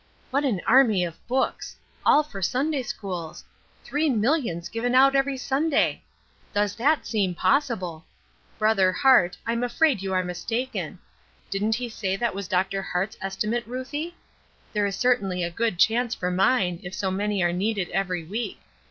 "What an army of books! All for Sunday schools. Three millions given out every Sunday! Does that seem possible! Brother Hart, I'm afraid you are mistaken. Didn't he say that was Dr. Hart's estimate, Ruthie? There is certainly a good chance for mine, if so many are needed every week.